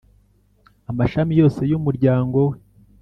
Amashami yose y’umuryango we,